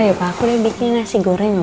ayuh pak aku udah bikinin nasi goreng loh